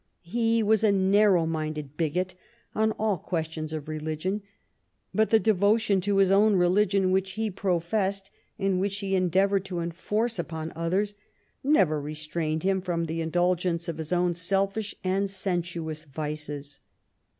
He was a narrow minded bigot on all questions of religion, but the devotion to his own religion, which he professed and which he endeavored to enforce upon others, never restrained him from the indulgence of his own selfish and sensu ous vices.